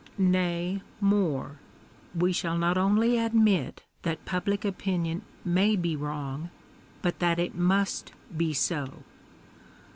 Nay more — we shall not only admit that publio opinion may be wrong, but that it must be so.